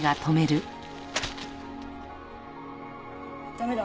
駄目だ。